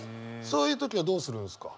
そういう時はどうするんですか？